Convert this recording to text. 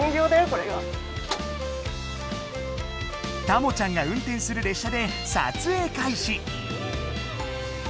たもちゃんが運転する列車で撮影開始！